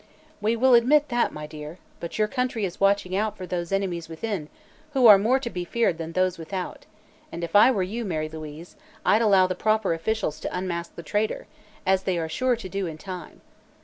"We will admit that, my dear. But your country is watching out for those 'enemies within,' who are more to be feared than those without; and, if I were you, Mary Louise, I'd allow the proper officials to unmask the traitor, as they are sure to do in time.